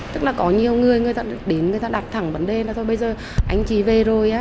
tức là có nhiều người người ta đến người ta đặt thẳng vấn đề là thôi bây giờ anh chị về rồi